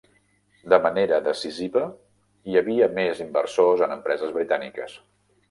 De manera decisiva, hi havia més inversors en empreses britàniques.